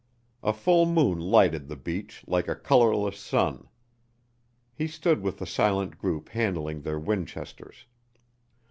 A full moon lighted the beach like a colorless sun. He stood with the silent group handling their Winchesters.